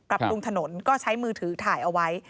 ปรับปรุงถนนก็ใช้มือถือถ่ายเอาไว้